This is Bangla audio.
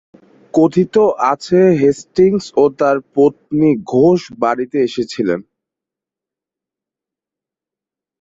কথিত আছে হেস্টিংস ও তাঁর পত্নী ঘোষ বাড়িতে এসেছিলেন।